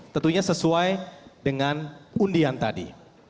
tentunya sesuai dengan undian tadi